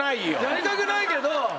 やりたくないけど。